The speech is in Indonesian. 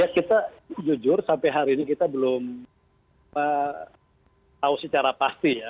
ya kita jujur sampai hari ini kita belum tahu secara pasti ya